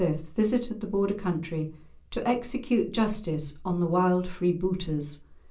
visited the Border country to execute justice on the wild freebooters.